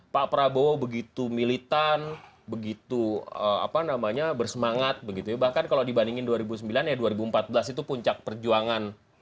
pak prabowo begitu militan begitu apa namanya bersemangat begitu ya bahkan kalau dibandingin dua ribu sembilan ya dua ribu empat belas itu puncak perjuangan